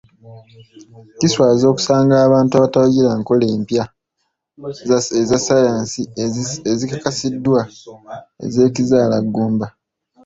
Kiswaza okusanga abantu abatawagira enkola empya ezasaayansi ezikakasiddwa ez'ekizaalaggumba.